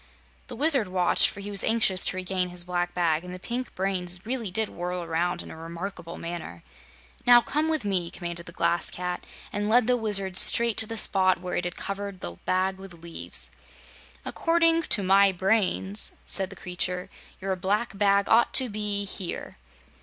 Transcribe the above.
The Wizard watched, for he was anxious to regain his black bag, and the pink brains really did whirl around in a remarkable manner. "Now, come with me," commanded the Glass Cat, and led the Wizard straight to the spot where it had covered the bag with leaves. "According to my brains," said the creature, "your black bag ought to be here."